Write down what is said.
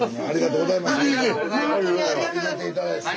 ありがとうございます。